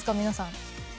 皆さん。